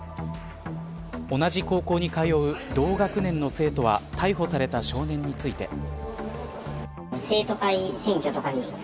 同じ高校に通う同学年の生徒は逮捕された少年について。